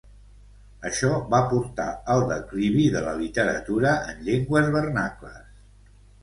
Això va portar al declivi de la literatura en llengües vernacles.